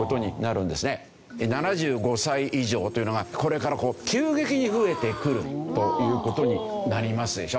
７５歳以上というのがこれから急激に増えてくるという事になりますでしょ。